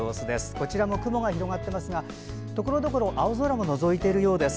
こちらも雲が広がっていますがところどころ青空ものぞいているようです。